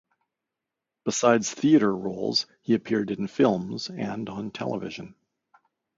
Besides theatre roles he appeared in films and on television.